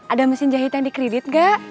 ada mesin jahit yang dikredit gak